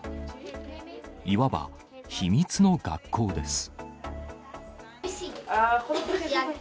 いわば、秘密の学校です。